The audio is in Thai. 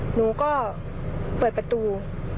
หนูก็เปิดประตู